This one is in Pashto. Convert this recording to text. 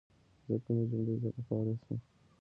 زه کومې جملې اضافه کولای شم